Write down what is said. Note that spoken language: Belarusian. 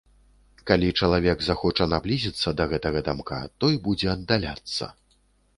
Калі чалавек захоча наблізіцца да гэтага дамка, той будзе аддаляцца.